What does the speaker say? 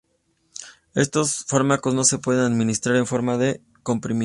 Estos fármacos no se pueden administrar en forma de comprimidos.